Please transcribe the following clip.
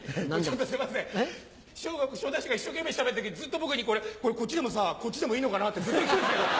すいません師匠が昇太師匠が一生懸命しゃべってる時にずっと僕に「これこっちでもさこっちでもいいのかな？」ってずっと言ってんですけど。